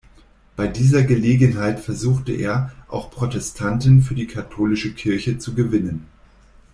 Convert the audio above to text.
Bei dieser Gelegenheit versuchte er, auch Protestanten für die katholische Kirche zu gewinnen.